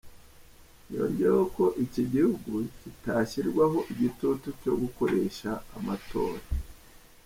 Yongeyeho ko iki gihugu kitashyirwaho igitutu cyo gukoresha amatora.